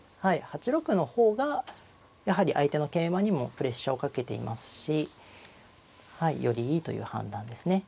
８六の方がやはり相手の桂馬にもプレッシャーをかけていますしよりいいという判断ですね。